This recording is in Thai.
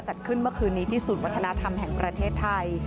จัดขึ้นเมื่อคืนนี้ที่ศูนย์วัฒนธรรมแห่งประเทศไทย